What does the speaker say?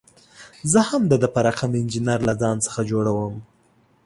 زه هم د ده په رقم انجینر له ځان څخه جوړوم.